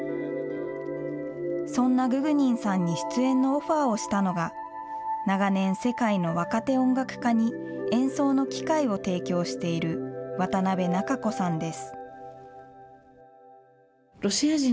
そんなググニンさんに出演のオファーをしたのが、長年、世界の若手音楽家に演奏の機会を提供している渡部中子さんです。